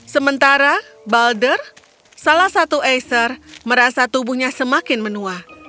sementara balder salah satu acer merasa tubuhnya semakin menua